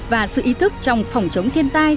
và sự ý thức trong phòng chống thiên tai